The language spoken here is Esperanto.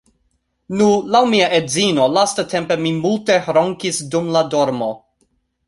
Nu, laŭ mia edzino, lastatempe, mi multe ronkis dum la dormo